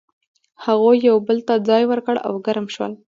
هغوی یو بل ته ځای ورکړ او ګرم شول.